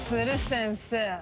先生。